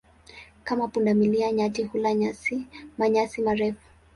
Kama punda milia, nyati hula manyasi marefu.